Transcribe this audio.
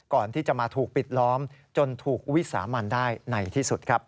ก่อนที่จะมาถูกปิดล้อมจนถูกวิสามันได้ในที่สุดครับ